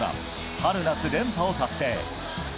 春夏連覇を達成。